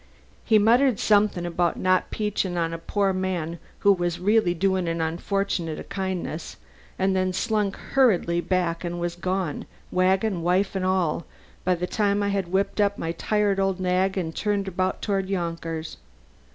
He muttered something about not peachin' on a poor man who was really doin' an unfortunate a kindness, and then slunk hurriedly back and was gone, wagon, wife and all, by the time I had whipped up my tired old nag and turned about toward Yonkers.